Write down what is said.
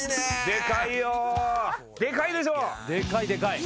でかいでかい。